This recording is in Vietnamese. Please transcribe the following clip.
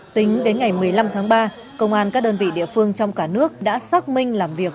tính đến ngày một mươi năm tháng ba công an các đơn vị địa phương trong cả nước đã xác minh làm việc